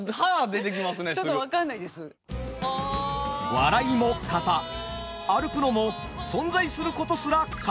笑いも型歩くのも存在することすら型。